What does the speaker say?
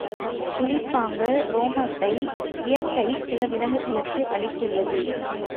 குளிர் தாங்க உரோமத்தை இயற்கை சில விலங்குகளுக்கு அளித்துள்ளது.